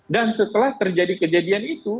dan setelah terjadi kejadian itu